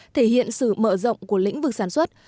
thể hiện sự mở rộng của lĩnh vực sản xuất